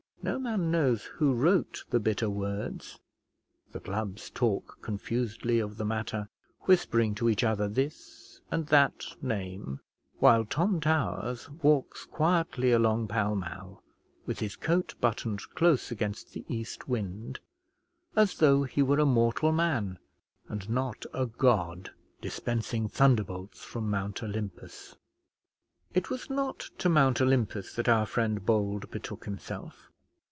No man knows who wrote the bitter words; the clubs talk confusedly of the matter, whispering to each other this and that name; while Tom Towers walks quietly along Pall Mall, with his coat buttoned close against the east wind, as though he were a mortal man, and not a god dispensing thunderbolts from Mount Olympus. It was not to Mount Olympus that our friend Bold betook himself.